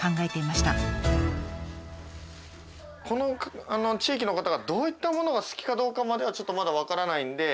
この地域の方がどういったものが好きかどうかまではちょっとまだ分からないので。